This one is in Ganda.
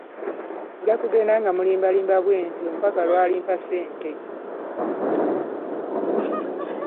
Nja kugenda nga mulimbalimba bwentyo mpaka lwalimpa ssente.